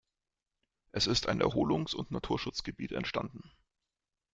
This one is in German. Es ist ein Erholungs- und Naturschutzgebiet entstanden.